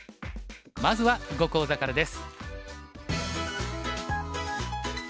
まずは囲碁講座からです。